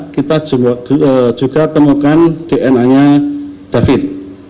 kita juga temukan dna nya david